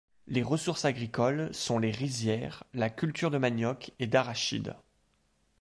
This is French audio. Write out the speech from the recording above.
Les ressources agricoles sont les rizières, la culture de manioc et d'arachides.